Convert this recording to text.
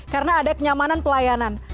karena ada kenyamanan pelayanan